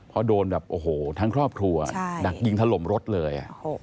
เพราะโดนแบบโอ้โหทั้งครอบครัวดักยิงถล่มรถเลย